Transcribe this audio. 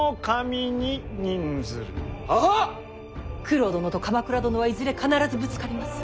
九郎殿と鎌倉殿はいずれ必ずぶつかります。